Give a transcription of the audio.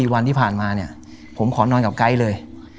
วันที่ผ่านมาเนี่ยผมขอนอนกับไก๊เลย